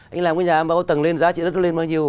anh làm cái nhà mà có tầng lên giá trị nó đáng bao nhiêu